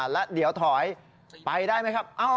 แล้วเดี๋ยวถอยไปได้ไหมครับ